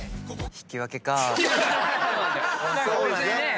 引き分けか。